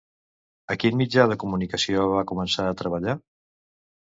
A quin mitjà de comunicació va començar a treballar?